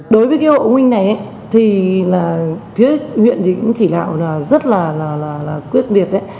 đối với cái hộ huynh này thì phía huyện chỉ đạo rất là quyết định